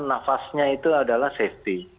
nafasnya itu adalah safety